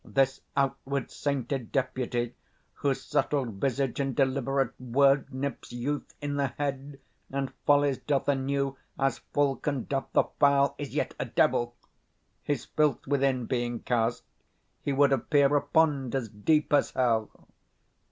This outward sainted deputy, Whose settled visage and deliberate word Nips youth i' the head, and follies doth emmew As falcon doth the fowl, is yet a devil; His filth within being cast, he would appear 90 A pond as deep as hell.